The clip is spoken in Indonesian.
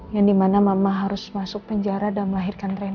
yang dimana mama harus masuk penjara dan melahirkan reinhar